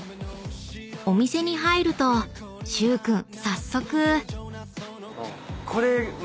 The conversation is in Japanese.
［お店に入ると許君早速］